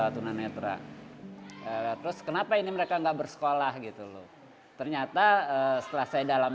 tunanetra terus kenapa ini mereka enggak bersekolah gitu loh ternyata setelah saya dalam